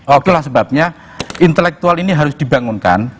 okelah sebabnya intelektual ini harus dibangunkan